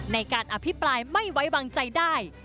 ในการอภิปรายไม่ไว้วางใจได้